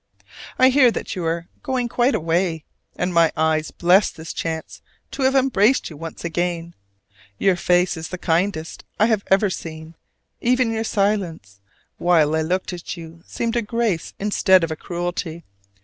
I hear that you are going quite away; and my eyes bless this chance to have embraced you once again. Your face is the kindest I have ever seen: even your silence, while I looked at you, seemed a grace instead of a cruelty.